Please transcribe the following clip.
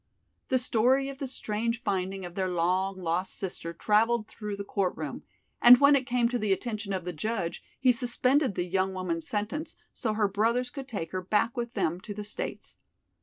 The story of the strange finding of their long lost sister traveled through the court room, and when it came to the attention of the judge, he suspended the young woman's sentence so her brothers could take her back with them to the States.